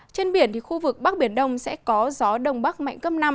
trên biển khu vực bắc biển đông sẽ có gió đông bắc mạnh cấp năm